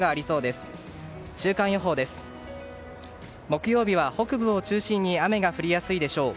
木曜日は北部を中心に雨が降りやすいでしょう。